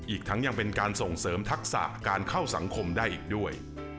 อีกทั้งยังเป็นการส่งเสริมทักษะการเข้าสังคมได้อีกด้วย